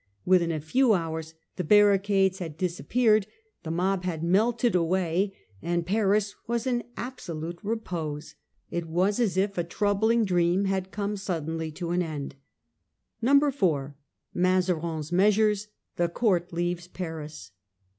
Within a few hours the barri cades had disappeared, the mob had melted away, and Paris was in absolute repose. It was as if a troubling dre im had come suddenly to an end. 4. M azarin's Measures. The Court leaves Paris.